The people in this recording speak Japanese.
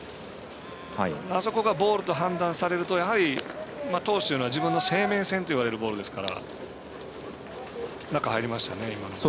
あそこがボールと判断されると投手というのは自分の生命線と呼ばれるボールですから。